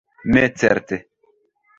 Ne certe.